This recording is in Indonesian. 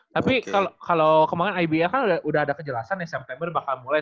tapi kalau kemarin iba kan udah ada kejelasan ya september bakal mulai